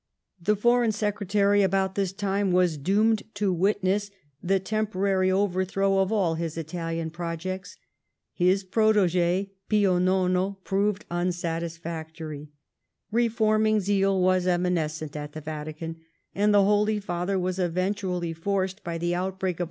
4 The Foreign Secretary about this period was doomed to witness the temporary overthrow of all his Italian projects. "B i^ prot&gi, Pio Nono, proved unsatisfactory ; reforming zeal was evanescent at the Vatican, and the Holy Father was eventually forced by the outbreak of.